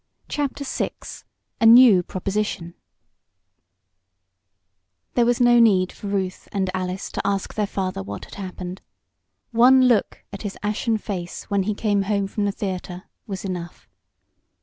CHAPTER VI A NEW PROPOSITION There was no need for Ruth and Alice to ask their father what had happened. One look at his ashen face when he came home from the theater was enough.